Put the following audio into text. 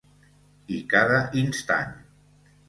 I cada instant